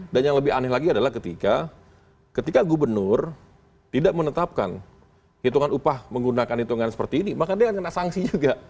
dan yang lebih aneh lagi adalah ketika gubernur tidak menetapkan hitungan upah menggunakan hitungan seperti ini maka dia akan kena sanksi juga